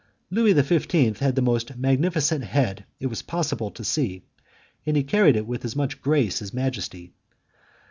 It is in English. Louis XV. had the most magnificent head it was possible to see, and he carried it with as much grace as majesty.